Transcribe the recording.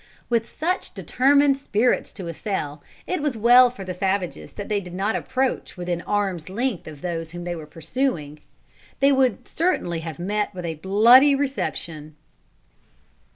With such determined spirits to assail, it was well for the savages that they did not approach within arms length of those whom they were pursuing. They would certainly have met with a bloody reception.